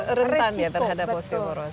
cukup rentan ya terhadap osteoporosis